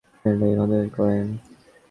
বিড়ালটাকে খাঁচাবন্দী করলেন।